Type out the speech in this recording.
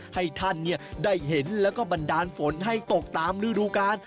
ให้ท่านได้เห็นแล้วก็บันดาลฝนให้ตกตามฤดูกาล